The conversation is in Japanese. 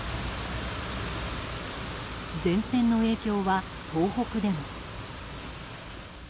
前線の影響は東北でも。